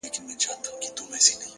لوړ هدفونه اوږده حوصله غواړي!.